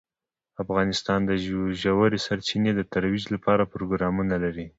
افغانستان د ژورې سرچینې د ترویج لپاره پروګرامونه لري.